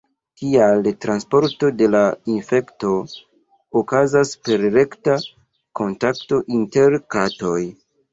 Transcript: Tial transporto de la infekto okazas per rekta kontakto inter katoj.